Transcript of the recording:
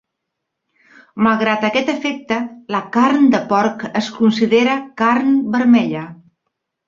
Malgrat aquest efecte, la carn de porc es considera carn vermella.